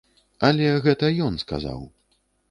Але гэта ён сказаў.